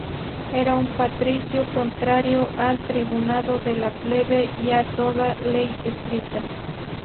Era un patricio, contrario al tribunado de la plebe y a toda ley escrita.